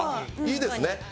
いいですね。